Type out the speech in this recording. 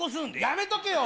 やめとけよ！